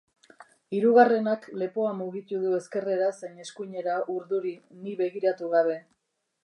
Hirugarrenak lepoa mugitu du ezkerrera zein eskuinera urduri, ni begiratu gabe.